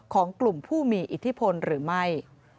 ของกลุ่มผู้มีอิทธิพลหรือไม่